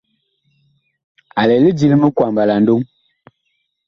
A lɛ lidi li mikwamba la ndoŋ.